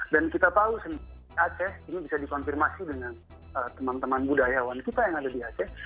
dan kita tahu sendiri di aceh ini bisa dikonfirmasi dengan teman teman budayawan kita yang ada di aceh